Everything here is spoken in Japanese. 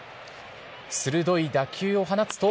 鋭い打球を放つと、